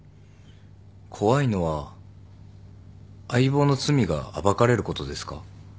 怖いのは相棒の罪が暴かれることですか？